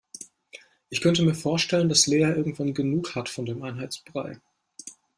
Ich könnte mir vorstellen, dass Lea irgendwann genug hat von dem Einheitsbrei.